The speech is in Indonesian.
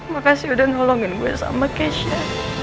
makasih udah nolongin gue sama kesha